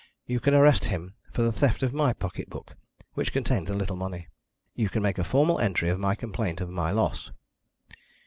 You can arrest him for the theft of my pocket book, which contains a little money. You can make a formal entry of my complaint of my loss."